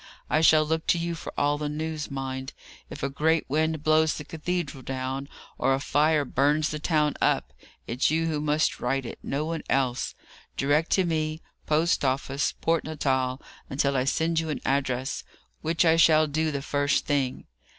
I shall look to you for all the news, mind! If a great wind blows the cathedral down, or a fire burns the town up, it's you who must write it; no one else will. Direct to me Post office, Port Natal, until I send you an address, which I shall do the first thing.